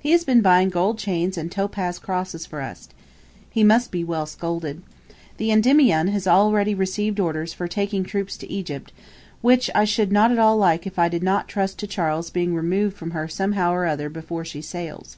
He has been buying gold chains and topaze crosses for us. He must be well scolded. The "Endymion" has already received orders for taking troops to Egypt, which I should not like at all if I did not trust to Charles being removed from her somehow or other before she sails.